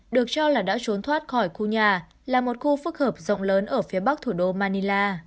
được cho là đã trốn thoát khỏi khu nhà là một khu phức hợp rộng lớn ở phía bắc thủ đô manila